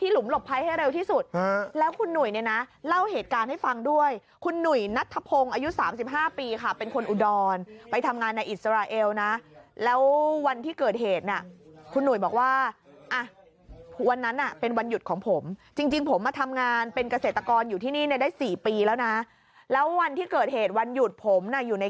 หลุมหลบภัยให้เร็วที่สุดแล้วคุณหนุ่ยเนี่ยนะเล่าเหตุการณ์ให้ฟังด้วยคุณหนุ่ยนัทธพงศ์อายุ๓๕ปีค่ะเป็นคนอุดรไปทำงานในอิสราเอลนะแล้ววันที่เกิดเหตุน่ะคุณหนุ่ยบอกว่าอ่ะวันนั้นน่ะเป็นวันหยุดของผมจริงผมมาทำงานเป็นเกษตรกรอยู่ที่นี่เนี่ยได้๔ปีแล้วนะแล้ววันที่เกิดเหตุวันหยุดผมน่ะอยู่ใน